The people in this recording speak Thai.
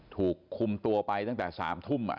ถูกคุมตัวไปตั้งแต่๓ทุ่ม